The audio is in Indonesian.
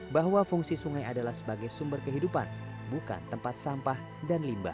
bahwa fungsi sungai adalah sebagai sumber kehidupan bukan tempat sampah dan limbah